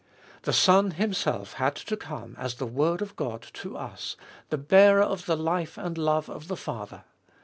The Son Himself had to come as the Word of God to us, the bearer of the life and love of the Father.